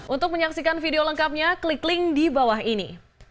untuk menyaksikan video lengkapnya klik link di bawah ini